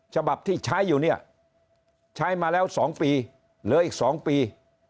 ฉบับที่ใช้อยู่เนี่ยใช้มาแล้ว๒ปีเหลืออีก๒ปี